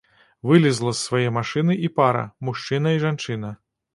Вылезла з свае машыны і пара, мужчына і жанчына.